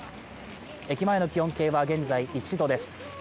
駅前の気温計は現在１度です。